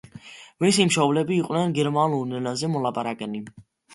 მისი მშობლები იყვნენ გერმანულ ენაზე მოლაპარაკენი.